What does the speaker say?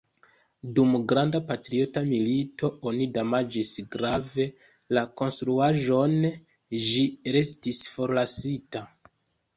Dum Granda patriota milito oni damaĝis grave la konstruaĵon, ĝi restis forlasita.